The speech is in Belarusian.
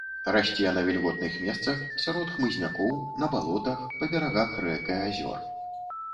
Расце на вільготных месцах, сярод хмызнякоў, на балотах, па берагах рэк і азёр.